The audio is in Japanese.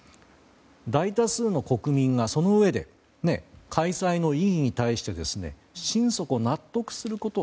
大多数の国民が、そのうえで開催の意義に対して心底、納得すること。